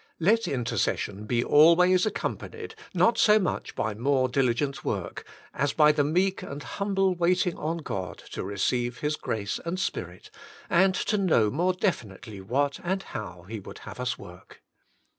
Let intercession be always accompanied, not so much, by more diligent work, as by the meek and humble waiting on God to receive His grace and spirit, and to know more definitely what and how He would have us work.